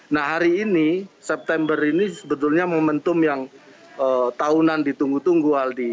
nah hari ini september ini sebetulnya momentum yang tahunan ditunggu tunggu aldi